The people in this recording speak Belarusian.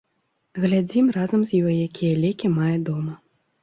Глядзім разам з ёй, якія лекі мае дома.